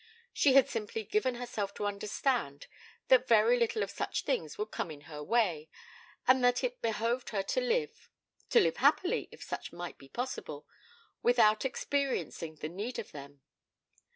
She had simply given herself to understand that very little of such things would come in her way, and that it behoved her to live to live happily if such might be possible without experiencing the need of them.